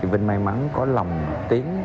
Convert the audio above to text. vinh may mắn có lòng tiếng